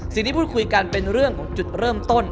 สิ่งที่พูดคุยกันเป็นเรื่องของจุดเริ่มต้น